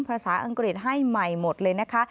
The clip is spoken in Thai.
ภาษาอังกฤษให้ใหม่หมดเลยนะคะ